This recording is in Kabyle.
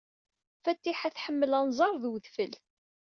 Fatiḥa tḥemmel anẓar ed wedfel.